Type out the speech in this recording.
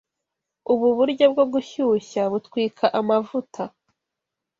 Ubu buryo bwo gushyushya butwika amavuta.